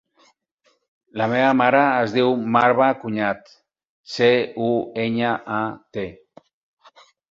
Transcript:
La meva mare es diu Marwa Cuñat: ce, u, enya, a, te.